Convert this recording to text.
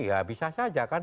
ya bisa saja kan